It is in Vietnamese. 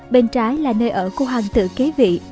bên trái là nơi ở của hoàng tử kế vị